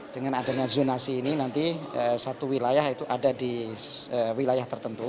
dengan adanya zonasi ini nanti satu wilayah itu ada di wilayah tertentu